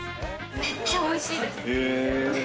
めっちゃ美味しいです。